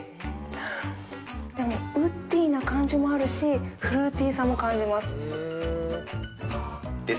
でも、ウッディな感じもあるしフルーティーさも感じます。